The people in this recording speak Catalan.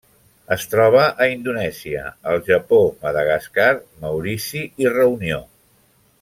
Es troba a Indonèsia, el Japó, Madagascar, Maurici i Reunió.